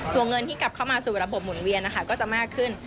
เงินที่กลับเข้ามาสู่ระบบหมุนเวียนนะคะก็จะมากขึ้น